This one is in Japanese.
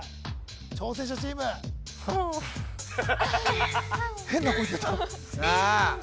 挑戦者チームフン変な声出たさあ